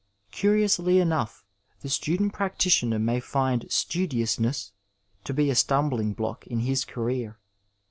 Curiously enough, the student practitioner may find studiousness to be a stumbling block in his career.